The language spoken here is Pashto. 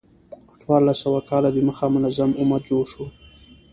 څوارلس سوه کاله د مخه منظم امت جوړ شو.